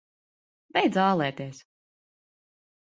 Beidz ālēties!